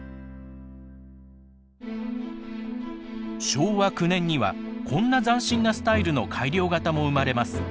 昭和９年にはこんな斬新なスタイルの改良型も生まれます。